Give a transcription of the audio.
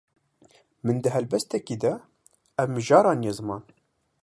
Min di helbestekî de ev mijara aniye ziman.